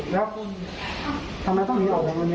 น้องก็อยู่ตรงนี้